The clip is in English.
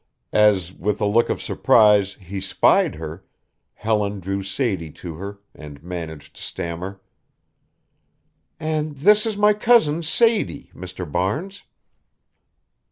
As, with a look of surprise, he spied her, Helen drew Sadie to her and managed to stammer: "And this is my cousin Sadie, Mr. Barnes."